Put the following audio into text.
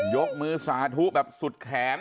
ยกมือสาธุแบบสุดแขน